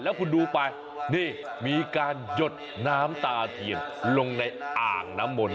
แล้วคุณดูไปนี่มีการหยดน้ำตาเทียนลงในอ่างน้ำมนต